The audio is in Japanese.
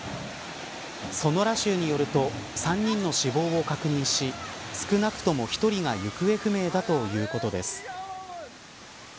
ソノラ州によると３人の死亡を確認し少なくとも１人が行方不明だということです。